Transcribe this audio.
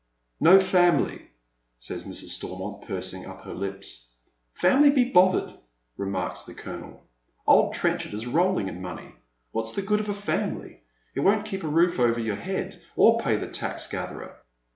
" No family," says Mrs. Stormont, pursing up her lips. " Family be bothered !" remarks the colonel. " Old Trenchard is rolling in money. What's the good of family ? It won't keep a roof over your head, or pay the tax gatherer.